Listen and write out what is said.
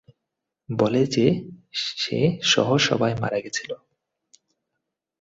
বলে যে সে সহ সবাই মারা গেছিলো।